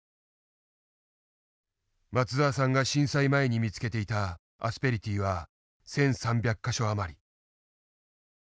松澤さんが震災前に見つけていたアスペリティーは１，３００か所余り。